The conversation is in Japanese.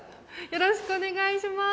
よろしくお願いします。